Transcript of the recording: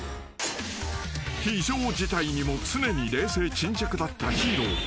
［非常事態にも常に冷静沈着だったヒーロー］